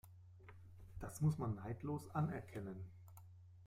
Das muss man neidlos anerkennen.